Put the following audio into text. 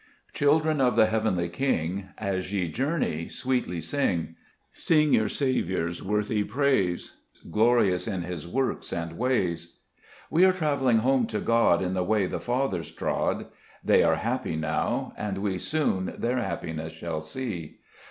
p HILDREN of the heavenly King, ^^ As ye journey, sweetly sing ; Sing your Saviour's worthy praise, Glorious in His works and ways. 2 We are travelling home to God In the way the fathers trod ; They are happy now, and we Soon their happiness shall see.